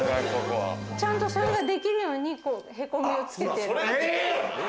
ちゃんとそれができるように、凹みをつけて。